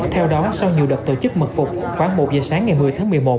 theo đó sau nhiều đợt tổ chức mật phục khoảng một giờ sáng ngày một mươi tháng một mươi một